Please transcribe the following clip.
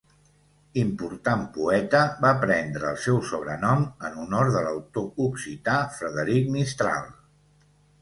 Important poeta, va prendre el seu sobrenom en honor de l'autor occità Frederic Mistral.